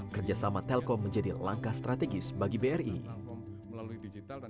kerjasama telkom menjadi langkah strategis bagi bri